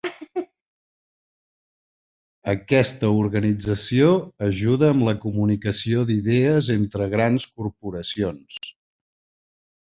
Aquesta organització ajuda amb la comunicació d'idees entre grans corporacions.